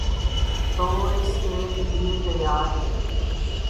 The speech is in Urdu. تو وہ اس کے لیے تیار ہیں